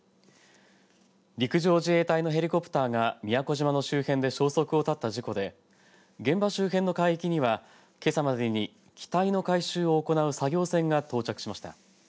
陸上自衛隊のヘリコプターが宮古島の周辺で消息を絶った事故で現場周辺の海域には、けさまでに機体の回収を行う作業船が到着しました。